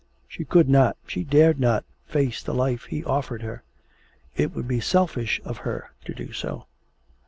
She could not, she dared not, face the life he offered her. It would be selfish of her to do so.